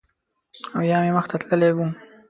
او یا مې مخ ته تللی و